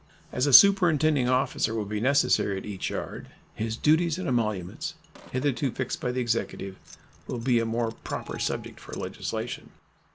As a superintending officer will be necessary at each yard, his duties and emoluments, hitherto fixed by the Executive, will be a more proper subject for legislation.